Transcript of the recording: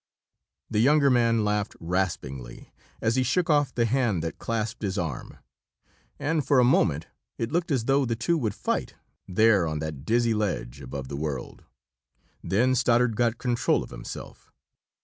The younger man laughed raspingly, as he shook off the hand that clasped his arm, and for a moment it looked as though the two would fight, there on that dizzy ledge above the world. Then Stoddard got control of himself.